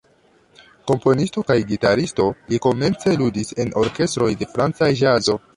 Komponisto kaj gitaristo, li komence ludis en orkestroj de franca ĵazo.